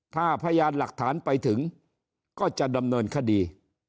ถ้าพยานหลักฐานไปถึงก็จะดำเนินคดี